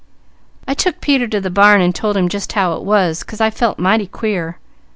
I took Peter to the barn and told him just how it was, 'cause I felt mighty queer.